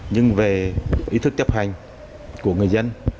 nhưng về ý thức chấp hành của người dân